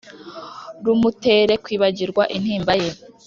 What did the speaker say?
rumutere kwibagirwa intimba ye